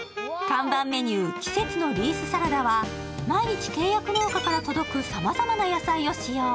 看板メニュー、季節のリースサラダは毎日、契約農家から届くさまざまな野菜を使用。